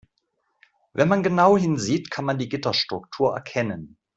Wenn man genau hinsieht, kann man die Gitterstruktur erkennen.